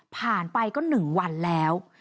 ผ่านไปก็๑วันแล้ว